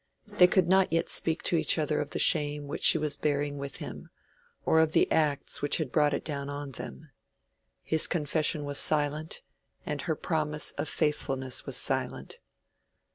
They could not yet speak to each other of the shame which she was bearing with him, or of the acts which had brought it down on them. His confession was silent, and her promise of faithfulness was silent.